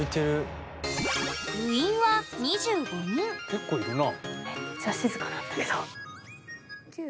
結構いるな。